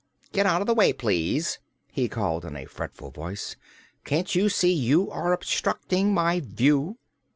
"Get out of the way, please," he called in a fretful voice. "Can't you see you are obstructing my view?"